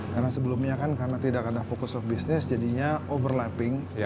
karena sebelumnya kan karena tidak ada focus of business jadinya overlapping